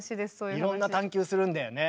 いろんな探究するんだよね？